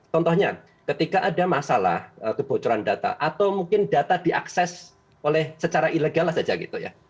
contohnya ketika ada masalah kebocoran data atau mungkin data diakses oleh secara ilegal saja gitu ya